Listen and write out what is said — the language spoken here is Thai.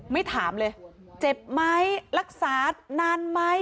ไม่ถามเลยเจ็บไหมรักษานานไหม